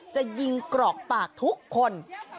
จะยิงกรอกปากทุกคน